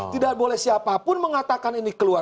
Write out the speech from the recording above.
tidak boleh siapapun mengatakan ini keluar